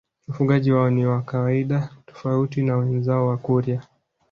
Ufugaji wao ni wa kawaida tofauti na wenzao Wakurya